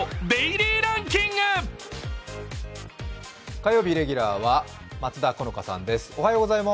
火曜日レギュラーは松田好花さんです。